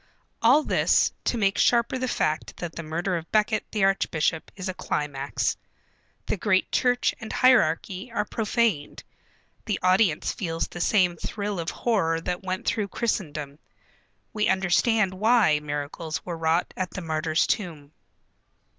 All this, to make sharper the fact that the murder of Becket the archbishop is a climax. The great Church and hierarchy are profaned. The audience feels the same thrill of horror that went through Christendom. We understand why miracles were wrought at the martyr's tomb.